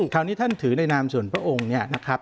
คราวนี้ท่านถือในนามส่วนพระองค์เนี่ยนะครับ